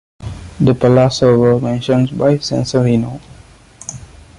The palazzo was mentioned by Sansovino.